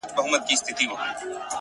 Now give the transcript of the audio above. راځه د ژوند په چل دي پوه کړمه زه!